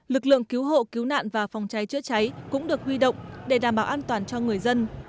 lực lượng cứu hộ cứu nạn và phòng cháy chữa cháy cũng được huy động để đảm bảo an toàn cho người dân